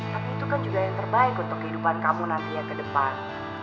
tapi itu kan juga yang terbaik untuk kehidupan kamu nantinya ke depan